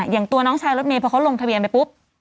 อย่างตัวน้องชายรถเมย์พอเขาลงทะเบียนไปปุ๊บ